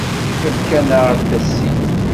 Efk-aneɣ-d tasint.